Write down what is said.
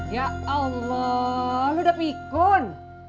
ya allah lu udah pikun